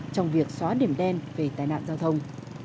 trong việc xóa điểm đen về tai nạn giao thông